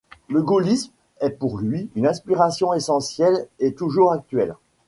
Le gaullisme est pour lui une inspiration essentielle et toujours actuelle.